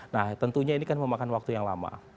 nah tentunya ini kan memakan waktu yang lama